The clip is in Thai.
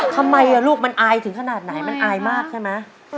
ทำไมลูกมันอายถึงขนาดไหนมันอายมากใช่ไหม